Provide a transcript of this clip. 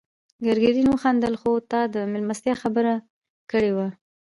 ګرګين وخندل: خو تا د مېلمستيا خبره کړې وه.